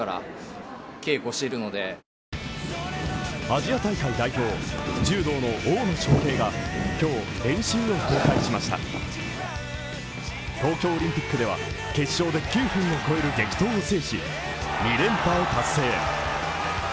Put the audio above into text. ＪＴアジア大会代表柔道の大野将平が今日練習を公開しました東京オリンピックでは決勝で９分を超える激闘を制し２連覇を達成。